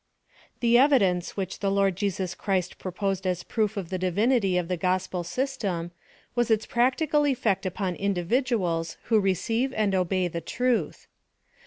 The evidence which the Lord Jesus Christ pro posed as proof of the Divinity of the gospel system, was its practical effect upon individuals who receive and obey the truth.